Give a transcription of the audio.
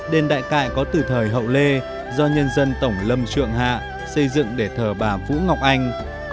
đền đại cại có từ thời hậu lê do nhân dân tổng lâm trượng hạ xây dựng để thờ bà vũ ngọc anh